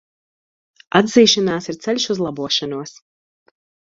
Atzīšanās ir ceļš uz labošanos.